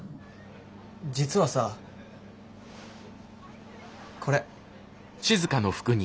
実はさこれ。